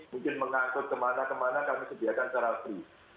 mungkin mengangkut kemana kemana kami sediakan secara free